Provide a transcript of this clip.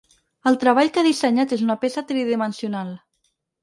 El treball que ha dissenyat és una peça tridimensional.